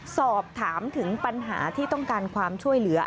สอบถามถึงปัญหาที่ต้องการความช่วยเหลือ